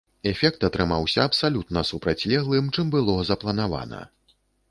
Эфект атрымаўся абсалютна супрацьлеглым, чым было запланавана.